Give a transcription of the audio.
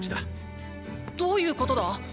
どういうことだ？